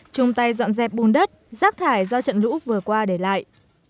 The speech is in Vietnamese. chung tay dọn dẹp bùn đất rác thải do trận lũ vừa qua để lại